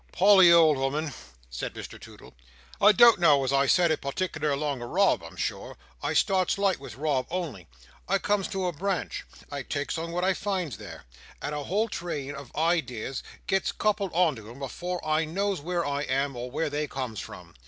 "Polly, old "ooman," said Mr Toodle, "I don't know as I said it partickler along o' Rob, I'm sure. I starts light with Rob only; I comes to a branch; I takes on what I finds there; and a whole train of ideas gets coupled on to him, afore I knows where I am, or where they comes from.